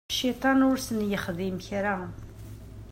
Cciṭan ur sen-yexdim kra.